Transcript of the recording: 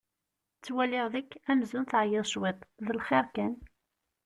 Ttwaliɣ deg-k amzun teɛyiḍ cwiṭ! D lxir kan?